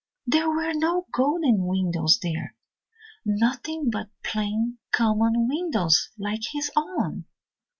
There were no golden windows there nothing but plain, common windows like his own.